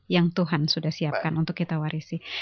yang tuhan sudah siapkan untuk kita warisi